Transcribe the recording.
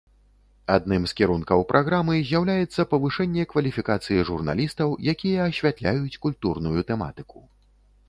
Адным з кірункаў праграмы з'яўляецца павышэнне кваліфікацыі журналістаў, якія асвятляюць культурную тэматыку.